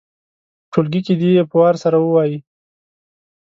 په ټولګي کې دې یې په وار سره ووايي.